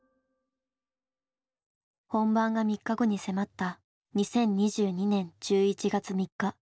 本番が３日後に迫った２０２２年１１月３日。